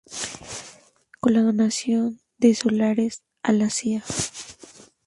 Con la donación de solares a la Cía.